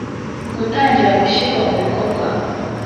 Gutangira gushyirwa mu bikorwa